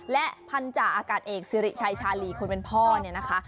และพันธาอากาศเอกสิริชัยชาลีคนเป็นพ่อเนี่ยนะคะ